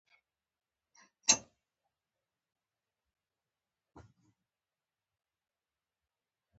هولمز د هغه بدرنګې خولې ته وکتل او ویې ویل